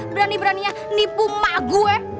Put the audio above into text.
berani beraninya nipu mama gue